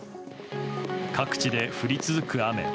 各地で降り続く雨。